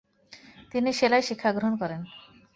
তিনি সেলাই শিক্ষাগ্রহণ করেন।